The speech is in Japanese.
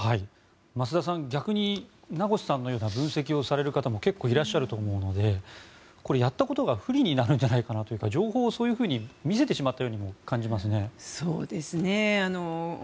増田さん逆に名越さんのような分析をされる方も結構いらっしゃると思うのでこれ、やったことが不利になるんじゃないかなとか情報をそういうふうに見せてしまったようにも感じますね。